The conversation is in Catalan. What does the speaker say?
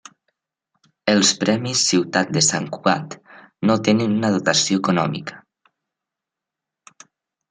Els Premis Ciutat de Sant Cugat no tenen una dotació econòmica.